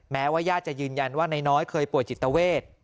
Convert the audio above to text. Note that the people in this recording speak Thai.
แม้ว่าญาติจะยืนยันว่านายน้อยเคยป่วยจิตเวท